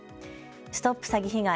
ＳＴＯＰ詐欺被害！